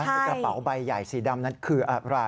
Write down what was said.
กระเป๋าใบใหญ่สีดำนั้นคืออะไร